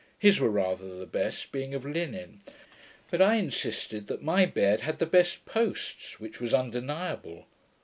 His were rather the best, being of linen; but I insisted that my bed had the best posts, which was undeniable.